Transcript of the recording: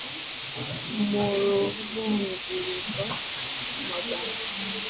mu rubumbirirwa-magana.